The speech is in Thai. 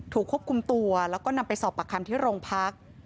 ถูกควบคุมตัวแล้วก็นำไปสอบประคัมที่โรงพักษณ์